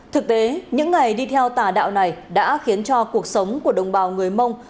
thực tế những ngày đi theo tà đạo này đã khiến cho cuộc sống của đồng bào người mông